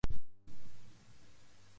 আমার এন্টনকে উচিত শিক্ষা দিতে হবে।